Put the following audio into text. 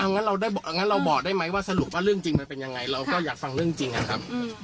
งั้นเราบอกได้ไหมว่าสรุปว่าเรื่องจริงมันเป็นยังไงเราก็อยากฟังเรื่องจริงนะครับ